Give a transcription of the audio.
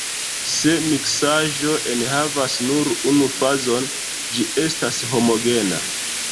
Se miksaĵo enhavas nur unu fazon, ĝi estas homogena.